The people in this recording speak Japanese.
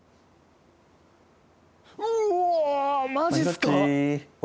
うおマジっすか！